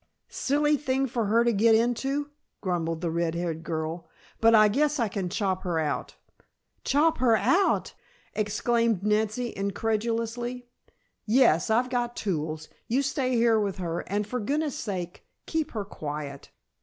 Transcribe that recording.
"Silly thing for her to get into," grumbled the red haired girl. "But I guess I can chop her out." "Chop her out!" exclaimed Nancy, incredulously. "Yes. I've got tools. You stay here with her, and for goodness' sake keep her quiet.